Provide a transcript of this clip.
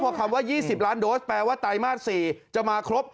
พอคำว่า๒๐ล้านโดสแปลว่าไตรมาส๔จะมาครบ